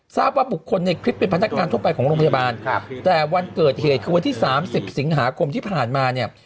ทราบว่าบุคคลในคลิปเป็นพนักงานทั่วไปของโรงพยาบาลแต่วันเกิดเหตุคือวันที่๓๐สิงหาคมที่ผ่านมาเนี่ย